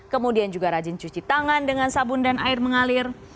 kemudian juga rajin cuci tangan dengan sabun dan air mengalir